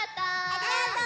ありがとう！